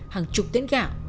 hàng chục tiến gạo